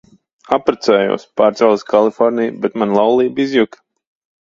Apprecējos, pārcēlos uz Kaliforniju, bet mana laulība izjuka.